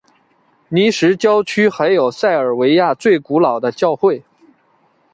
尼什郊区还有塞尔维亚最古老的教会。